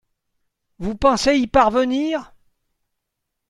Vous pensez y parvenir?